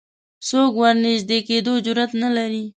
څوک ورنژدې کېدو جرئت نه لري